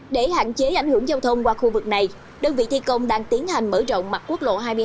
để hạn chế ảnh hưởng giao thông qua khu vực này đơn vị thi công đang tiến hành mở rộng mặt quốc lộ hai mươi hai